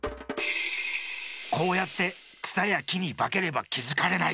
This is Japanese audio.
こうやってくさやきにばければきづかれない。